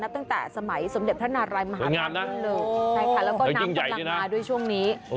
นับตั้งแต่สมเด็จทหารรายมหาวิทยาลัยแล้วก็น้ำฝนลำมาด้วยช่วงนี้